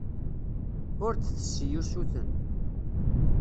Ur d-tessi usuten.